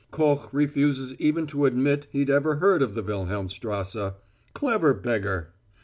Koch refuses even to admit he'd ever heard of the Wilhelmstrasse. Clever beggar!